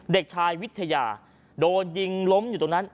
เด็กชายวิทยาโดนยิงล้มอยู่ตรงนั้น